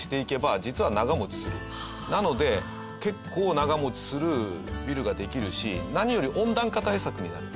なので結構長持ちするビルができるし何より温暖化対策になる。